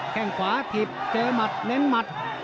แข้งขวาทิบเจอหมัดเล็งหมัด